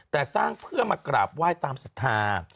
แต่สร้างเพื่อมากราบไหว้ตามศรัทธา